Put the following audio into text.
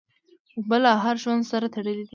اوبه له هر ژوند سره تړلي دي.